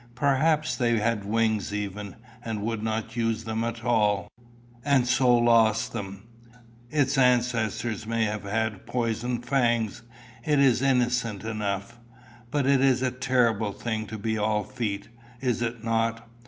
Perhaps they had wings even, and would not use them at all, and so lost them. Its ancestors may have had poison fangs; it is innocent enough. But it is a terrible thing to be all feet, is it not?